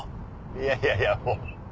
いやいやいやもう。